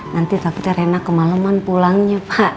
nanti takutnya rena kemaleman pulangnya pak